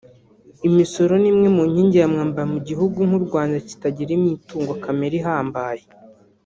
Imisoro ni imwe mu nkingi ya mwamba mu gihugu nk’u Rwanda kitagira imitungo kamere ihambaye